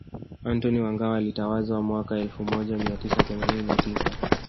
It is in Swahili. Antony wa Ngao alitawazwa mwaka elfu moja mia tisa themanini na tisa